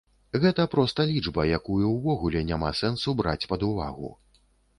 Гэта проста лічба, якую ўвогуле няма сэнсу браць пад увагу.